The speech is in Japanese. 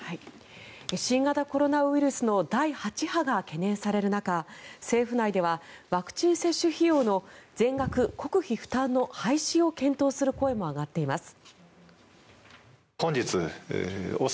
新型コロナウイルスの第８波が懸念される中政府内ではワクチン接種費用の全額国費負担の廃止を検討する声も上がっています。